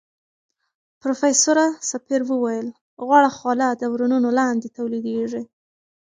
پروفیسوره سپېر وویل غوړه خوله د ورنونو لاندې تولیدېږي.